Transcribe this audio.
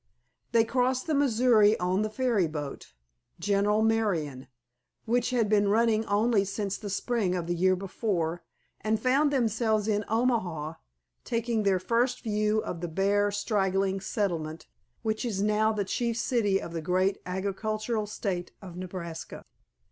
They crossed the Missouri on the ferry boat General Marion, which had been running only since the spring of the year before, and found themselves in Omaha, taking their first view of the bare, straggling settlement which is now the chief city of the great agricultural State of Nebraska.